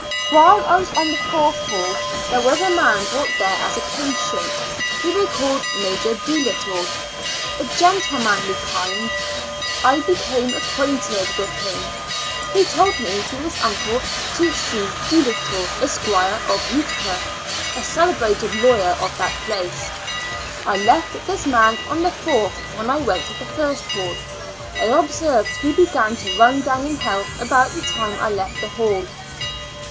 While I was on the fourth hall, there was a man brought there as a patient, who they called Major Doolittle, a gentlemanly kind of a man; I became acquainted with him; he told me he was uncle to Q Doolittle, Esq., of Utica, a celebrated lawyer of that place. I left this man on the fourth when I went to the first hall. I observed he began to run down in health about the time I left the hall.